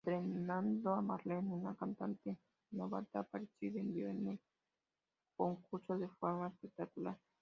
Entretanto, Marlene, una cantante novata apareció y venció en el concurso de forma espectacular.